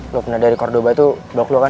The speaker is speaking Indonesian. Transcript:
lu pernah dari cordoba itu blok lu kan